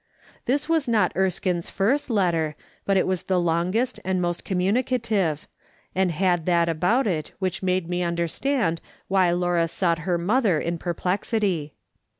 This was not Erskine's first letter, but it was the longest and most communi cative, and had that about it which made me under stand why Laura sought her mother in perplexity.